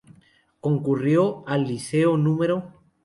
Concurrió al Liceo No.